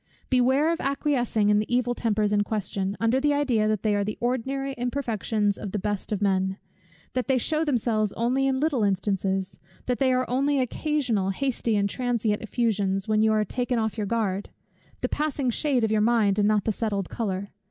Beware of acquiescing in the evil tempers in question, under the idea that they are the ordinary imperfections of the best of men; that they shew themselves only in little instances; that they are only occasional, hasty, and transient effusions, when you are taken off your guard; the passing shade of your mind, and not the settled colour.